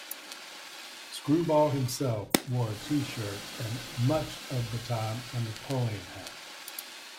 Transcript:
"Screwball" himself wore a T-shirt and, much of the time, a Napoleon hat.